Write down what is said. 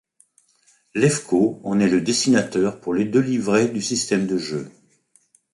Lefko en est le dessinateur pour les deux livrets du système de jeu.